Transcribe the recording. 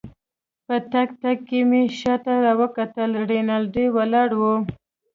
په تګ تګ کې مې شاته راوکتل، رینالډي ولاړ وو.